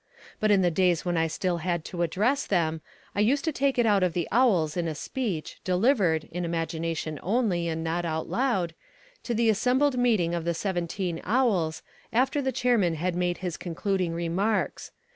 But in the days when I still had to address them, I used to take it out of the Owls in a speech, delivered, in imagination only and not out loud, to the assembled meeting of the seventeen Owls, after the chairman had made his concluding remarks.